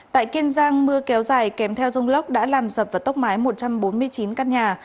tại kiên giang mưa kéo dài kèm theo rông lốc đã làm sập và tốc mái một trăm bốn mươi chín căn nhà